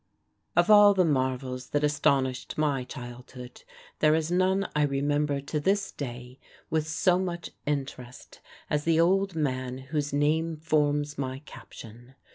Of all the marvels that astonished my childhood, there is none I remember to this day with so much interest as the old man whose name forms my caption.